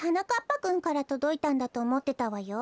ぱくんからとどいたんだとおもってたわよ。